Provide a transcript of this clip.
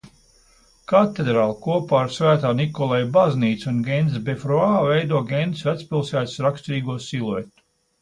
Katedrāle kopā ar Svētā Nikolaja baznīcu un Gentes befruā veido Gentes vecpilsētas raksturīgo siluetu.